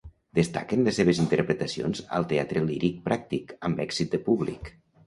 Destaquen les seves interpretacions al Teatre Líric Pràctic, amb èxit de públic.